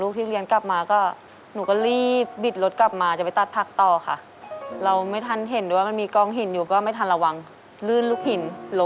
เขาบอกว่าให้ไปที่โรงพยาบาล